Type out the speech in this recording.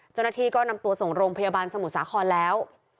เจ้าหน้าที่ก็นำตัวส่งโรงพยาบาลสมุทรสาครแล้ว